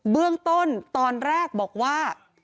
เบื้องต้นตอนแรกบอกว่า